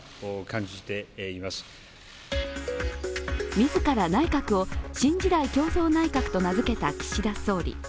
自ら内閣を新時代共創内閣と名付けた岸田総理。